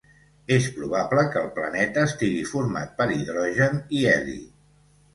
És probable que el planeta estigui format per hidrogen i heli.